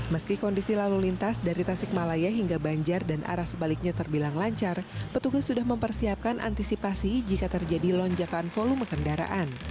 meski kondisi lalu lintas dari tasikmalaya hingga banjar dan arah sebaliknya terbilang lancar petugas sudah mempersiapkan antisipasi jika terjadi lonjakan volume kendaraan